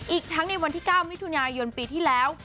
อีกทั้งในวันที่๙มิถุนายนปีที่แล้ว